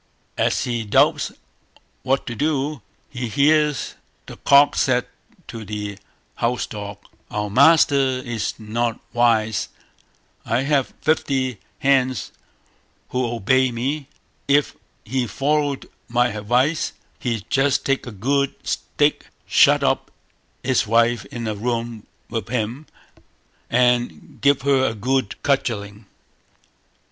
As he doubts what to do, he hears the cock say to the house dog "Our master is not wise; I have fifty hens who obey me; if he followed my advice, he'd just take a good stick, shut up his wife in a room with him, and give her a good cudgelling."